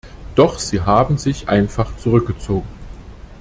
Doch sie haben sich einfach zurückgezogen.